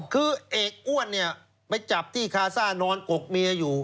คือเอกอ้วนเนี่ยไปจับที่คาซ่านอนอกเมียอยู่